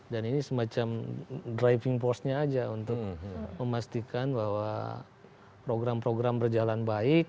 dan ini semacam driving force nya saja untuk memastikan bahwa program program berjalan baik